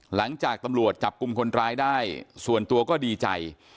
หลังจากตำรวจจับกลุ่มคนร้ายได้ส่วนตัวก็ดีใจ